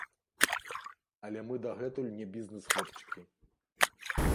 Але мы дагэтуль не бізнэс-хлопчыкі.